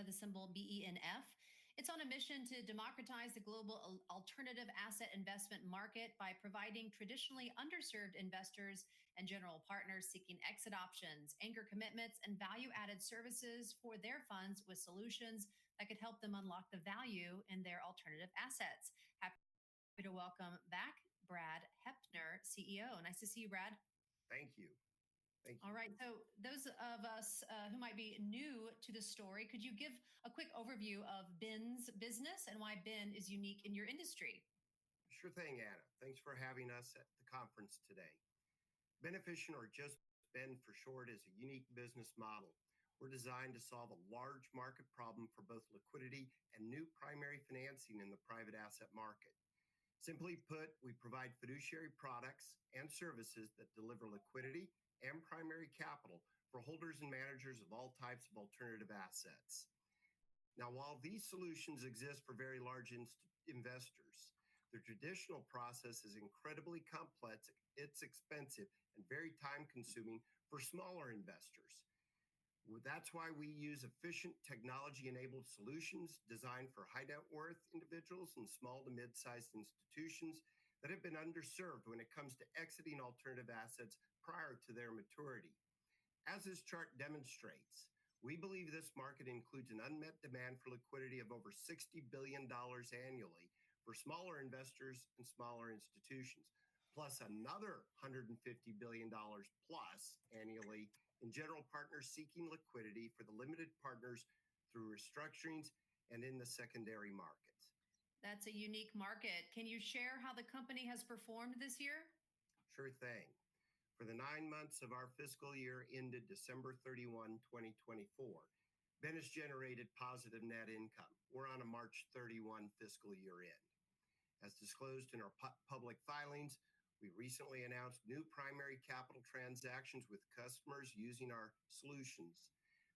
NASDAQ under the symbol BENF. It's on a mission to democratize the global alternative asset investment market by providing traditionally underserved investors and general partners seeking exit options, anchor commitments, and value-added services for their funds with solutions that could help them unlock the value in their alternative assets. Happy to welcome back Brad Heppner, CEO. Nice to see you, Brad. Thank you. Thank you. All right. Those of us who might be new to the story, could you give a quick overview of Beneficient's business and why Beneneficient is unique in your industry? Sure thing, Anna. Thanks for having us at the conference today. Beneficient or just Ben for short is a unique business model. We're designed to solve a large market problem for both liquidity and new primary financing in the private asset market. Simply put, we provide fiduciary products and services that deliver liquidity and primary capital for holders and managers of all types of alternative assets. Now, while these solutions exist for very large investors, the traditional process is incredibly complex, it's expensive, and very time-consuming for smaller investors. That's why we use efficient technology-enabled solutions designed for high net worth individuals and small to mid-sized institutions that have been underserved when it comes to exiting alternative assets prior to their maturity. As this chart demonstrates, we believe this market includes an unmet demand for liquidity of over $60 billion annually for smaller investors and smaller institutions, plus another $150 billion-plus annually in general partners seeking liquidity for the limited partners through restructurings and in the secondary markets. That's a unique market. Can you share how the company has performed this year? Sure thing. For the nine months of our fiscal year ended December 31, 2024, Beneficient has generated positive net income. We're on a March 31 fiscal year end. As disclosed in our public filings, we recently announced new primary capital transactions with customers using our solutions.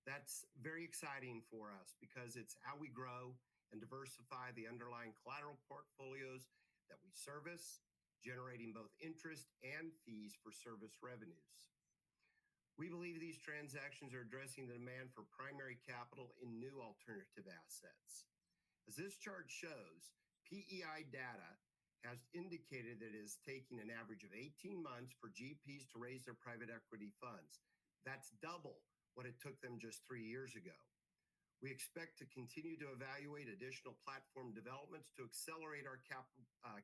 That's very exciting for us because it's how we grow and diversify the underlying collateral portfolios that we service, generating both interest and fees for service revenues. We believe these transactions are addressing the demand for primary capital in new alternative assets. As this chart shows, PEI data has indicated that it is taking an average of 18 months for GPs to raise their private equity funds. That's double what it took them just three years ago. We expect to continue to evaluate additional platform developments to accelerate our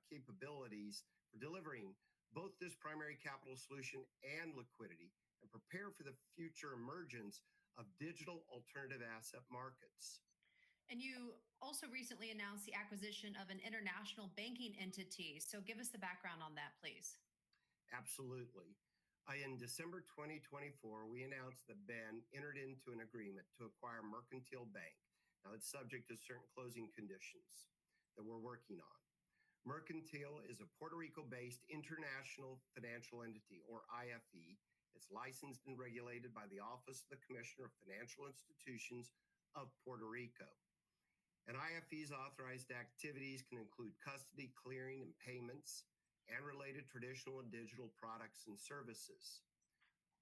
capabilities for delivering both this primary capital solution and liquidity and prepare for the future emergence of digital alternative asset markets. You also recently announced the acquisition of an international banking entity. Give us the background on that, please. Absolutely. In December 2024, we announced that Beneficient entered into an agreement to acquire Mercantile Bank. Now, it's subject to certain closing conditions that we're working on. Mercantile is a Puerto Rico-based international financial entity, or IFE. It's licensed and regulated by the Office of the Commissioner of Financial Institutions of Puerto Rico. An IFE's authorized activities can include custody, clearing, and payments and related traditional and digital products and services.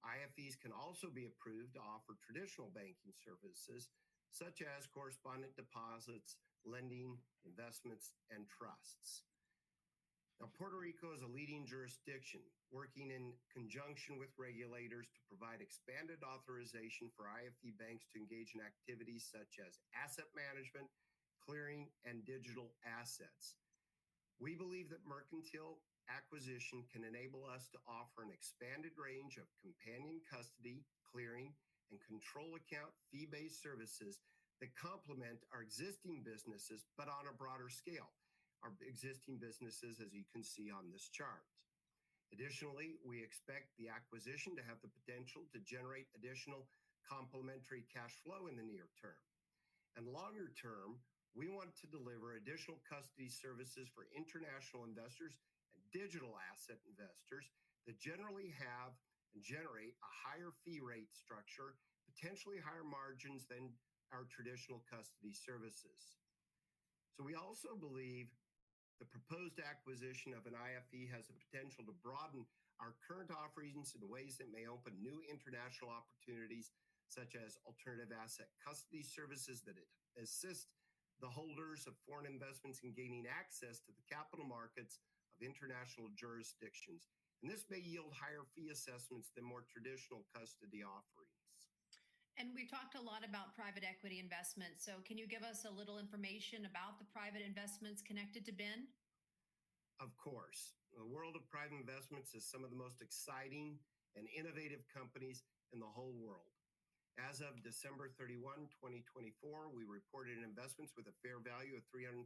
IFEs can also be approved to offer traditional banking services such as correspondent deposits, lending, investments, and trusts. Now, Puerto Rico is a leading jurisdiction working in conjunction with regulators to provide expanded authorization for IFE banks to engage in activities such as asset management, clearing, and digital assets. We believe that the Mercantile acquisition can enable us to offer an expanded range of companion custody, clearing, and control account fee-based services that complement our existing businesses, but on a broader scale, our existing businesses, as you can see on this chart. Additionally, we expect the acquisition to have the potential to generate additional complementary cash flow in the near term. Longer term, we want to deliver additional custody services for international investors and digital asset investors that generally have and generate a higher fee rate structure, potentially higher margins than our traditional custody services. We also believe the proposed acquisition of an IFE has the potential to broaden our current offerings in ways that may open new international opportunities, such as alternative asset custody services that assist the holders of foreign investments in gaining access to the capital markets of international jurisdictions. This may yield higher fee assessments than more traditional custody offerings. We've talked a lot about private equity investments. Can you give us a little information about the private investments connected to Beneficient? Of course. The world of private investments is some of the most exciting and innovative companies in the whole world. As of December 31, 2024, we reported investments with a fair value of $334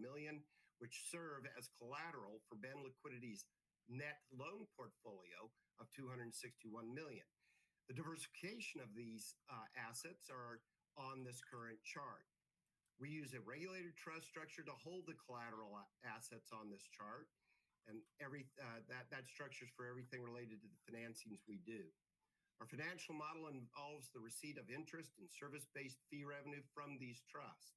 million, which serve as collateral for Beneficient Liquidity's net loan portfolio of $261 million. The diversification of these assets is on this current chart. We use a regulated trust structure to hold the collateral assets on this chart, and that structure is for everything related to the financings we do. Our financial model involves the receipt of interest and service-based fee revenue from these trusts.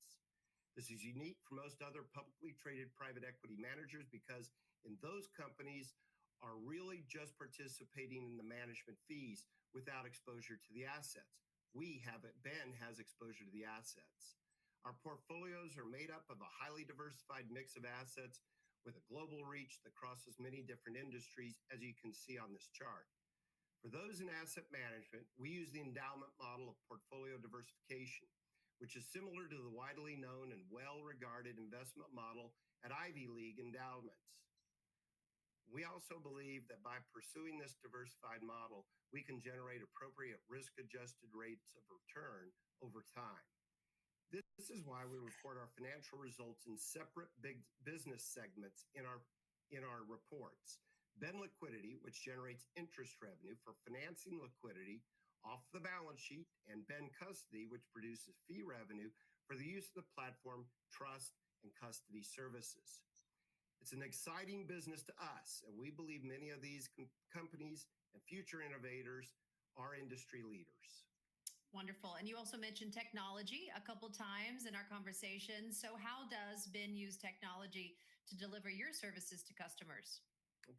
This is unique for most other publicly traded private equity managers because in those companies, we are really just participating in the management fees without exposure to the assets. We have at Beneficient has exposure to the assets. Our portfolios are made up of a highly diversified mix of assets with a global reach that crosses many different industries, as you can see on this chart. For those in asset management, we use the endowment model of portfolio diversification, which is similar to the widely known and well-regarded investment model at Ivy League endowments. We also believe that by pursuing this diversified model, we can generate appropriate risk-adjusted rates of return over time. This is why we report our financial results in separate big business segments in our reports. Beneficient Liquidity, which generates interest revenue for financing liquidity off the balance sheet, and Beneficient Custody, which produces fee revenue for the use of the platform, trust and custody services. It is an exciting business to us, and we believe many of these companies and future innovators are industry leaders. Wonderful. You also mentioned technology a couple of times in our conversation. How does Beneficient use technology to deliver your services to customers?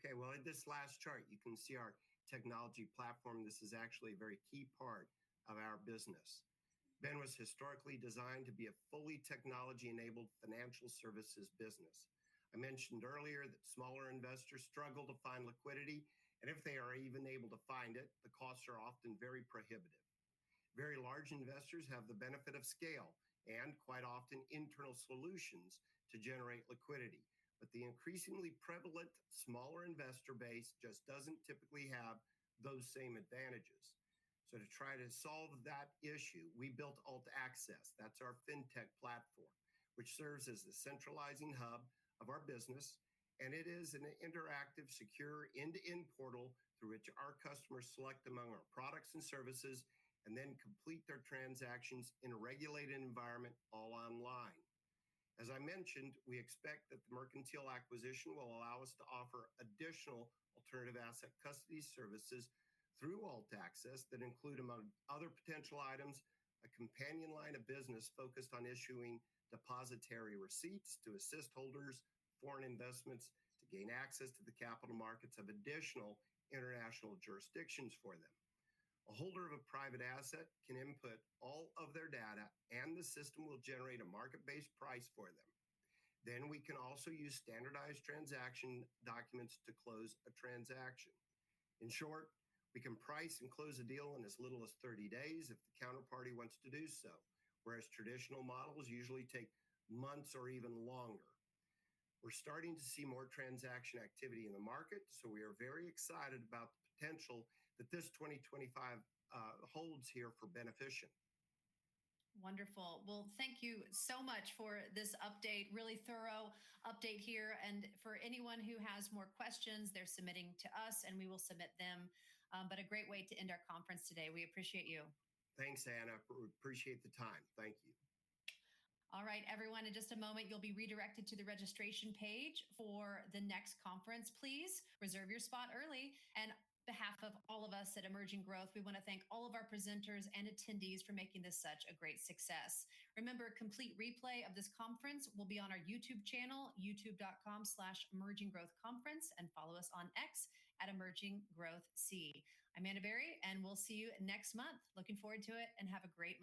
Okay. In this last chart, you can see our technology platform. This is actually a very key part of our business. Beneficient was historically designed to be a fully technology-enabled financial services business. I mentioned earlier that smaller investors struggle to find liquidity, and if they are even able to find it, the costs are often very prohibitive. Very large investors have the benefit of scale and quite often internal solutions to generate liquidity. The increasingly prevalent smaller investor base just does not typically have those same advantages. To try to solve that issue, we built AltAccess. That is our fintech platform, which serves as the centralizing hub of our business. It is an interactive, secure end-to-end portal through which our customers select among our products and services and then complete their transactions in a regulated environment all online. As I mentioned, we expect that the Mercantile acquisition will allow us to offer additional alternative asset custody services through AltAccess that include, among other potential items, a companion line of business focused on issuing depositary receipts to assist holders of foreign investments to gain access to the capital markets of additional international jurisdictions for them. A holder of a private asset can input all of their data, and the system will generate a market-based price for them. We can also use standardized transaction documents to close a transaction. In short, we can price and close a deal in as little as 30 days if the counterparty wants to do so, whereas traditional models usually take months or even longer. We are starting to see more transaction activity in the market, so we are very excited about the potential that this 2025 holds here for Beneficient. Wonderful. Thank you so much for this update, really thorough update here. For anyone who has more questions, they're submitting to us, and we will submit them. A great way to end our conference today. We appreciate you. Thanks, Anna. We appreciate the time. Thank you. All right, everyone, in just a moment, you'll be redirected to the registration page for the next conference. Please reserve your spot early. On behalf of all of us at Emerging Growth, we want to thank all of our presenters and attendees for making this such a great success. Remember, a complete replay of this conference will be on our YouTube channel, youtube.com/emerginggrowthconference, and follow us on X at EmergingGrowthC. I'm Anna Berry, and we'll see you next month. Looking forward to it, and have a great month.